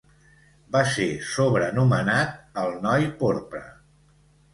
Va ser sobrenomenat "el noi porpra".